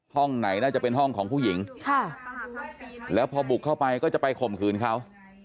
ห้องไหนน่าจะเป็นห้องของผู้หญิงค่ะแล้วพอบุกเข้าไปก็จะไปข่มขืนเขา